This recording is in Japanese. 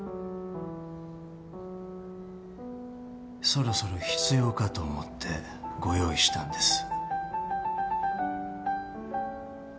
そろそろ必要かと思ってご用意したんです。